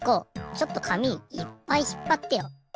ちょっと紙いっぱいひっぱってよ。